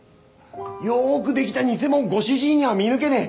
よーぐできた偽物ご主人には見抜けねえ。